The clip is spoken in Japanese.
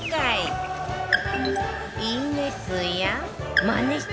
「いいね」